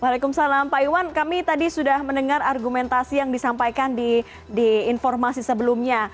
waalaikumsalam pak iwan kami tadi sudah mendengar argumentasi yang disampaikan di informasi sebelumnya